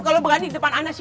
kalau berani depan ana sini